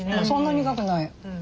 そんな苦くない。